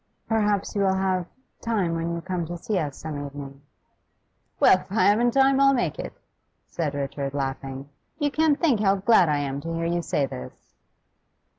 Perhaps you will have time when you come to see us some evening.' 'Well, if I haven't time, I'll make it,' said Richard, laughing. 'You can't think how glad I am to hear you say this.